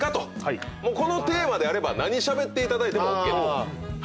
このテーマであれば何しゃべっていただいてもＯＫです。